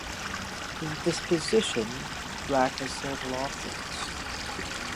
In this position, Black has several options.